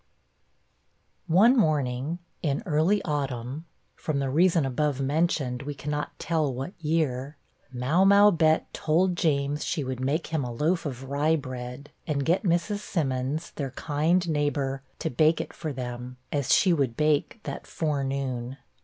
One morning, in early autumn, (from the reason above mentioned, we cannot tell what year,) Mau mau Bett told James she would make him a loaf of rye bread, and get Mrs. Simmons, their kind neighbor, to bake it for them, as she would bake that forenoon.